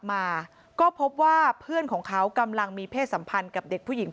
มาก็พบว่าเพื่อนของเขากำลังมีเพศสัมพันธ์กับเด็กผู้หญิง